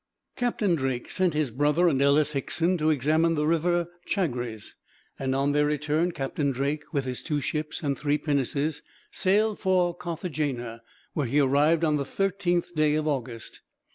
Captain Drake sent his brother and Ellis Hickson to examine the river Chagres; and on their return Captain Drake, with his two ships and three pinnaces, sailed for Carthagena, where he arrived on the 13th day of August.